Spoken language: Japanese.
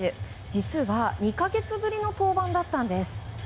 実は、２か月ぶりの登板だったんです。